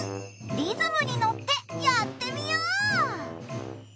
リズムにのってやってみよう！